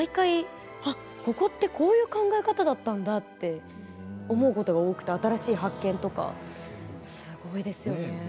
ここってこういう考え方だったんだと思うことが多くて新しい発見とかすごいですよね。